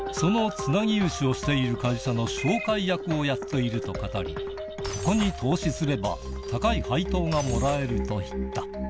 つなぎ融資をしている会社の紹介役をやっているとかたり「ここに投資すれば高い配当がもらえる」と言った